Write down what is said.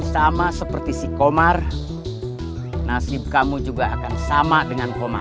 sama seperti si komar nasib kamu juga akan sama dengan komar